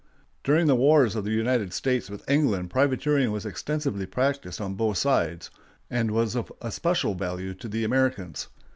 During the wars of the United States with England privateering was extensively practised on both sides, and was of especial value to the Americans.